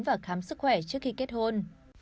và khám sức khỏe trước khi kết hôn